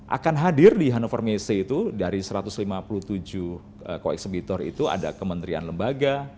akan hadir di hannover messe itu dari satu ratus lima puluh tujuh koeksibitor itu ada kementerian lembaga